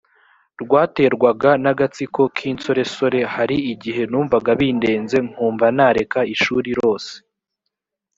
rwaterwaga n agatsiko k insoresore hari igihe numvaga bindenze nkumva nareka ishuri rose